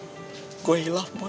gue ngelakuin kesalahan bersama lo boy